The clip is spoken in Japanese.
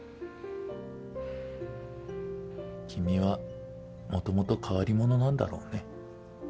君はもともと変わり者なんだろうね。